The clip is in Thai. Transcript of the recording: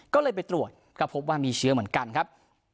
ก็เลยไปตรวจก็พบว่ามีเชื้อเหมือนกันครับ